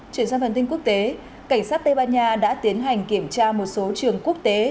chuyển sang phần tin quốc tế cảnh sát tây ban nha đã tiến hành kiểm tra một số trường quốc tế